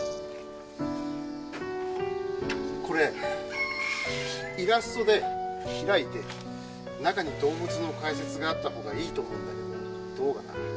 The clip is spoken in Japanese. これイラストで開いて中に動物の解説があったほうがいいと思うんだけどどうかな？